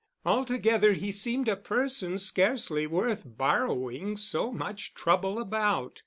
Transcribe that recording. Altogether he seemed a person scarcely worth borrowing so much trouble about.